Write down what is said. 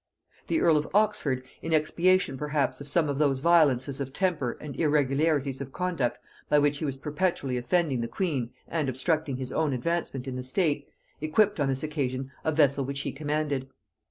The earl of Oxford, in expiation perhaps of some of those violences of temper and irregularities of conduct by which he was perpetually offending the queen and obstructing his own advancement in the state, equipped on this occasion a vessel which he commanded.